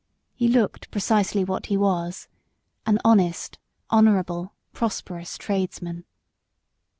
He looked precisely what he was an honest, honourable, prosperous tradesman.